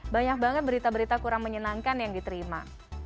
banyak banget berita berita kurang menyenangkan yang diterima